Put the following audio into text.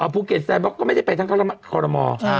ภูเก็ตแซนบล็อกก็ไม่ได้ไปทั้งคอรมอ